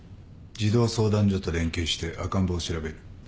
児童相談所と連携して赤ん坊を調べる。